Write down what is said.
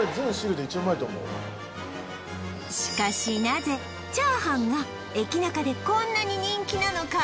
しかしなぜチャーハンが駅ナカでこんなに人気なのか？